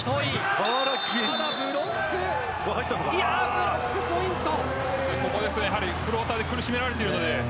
ブロックポイント。